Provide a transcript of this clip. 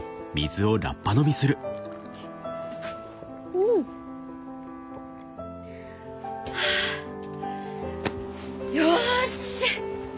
うん！はあ。よし！